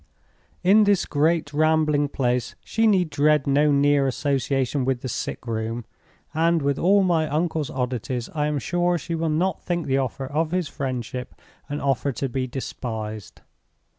In this great rambling place she need dread no near association with the sick room; and, with all my uncle's oddities, I am sure she will not think the offer of his friendship an offer to be despised.